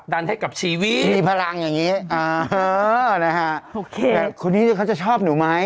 เดี๋ยวล่ะคุณผู้ชมขอโทษนะแม่